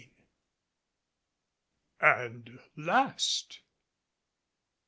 AND LAST.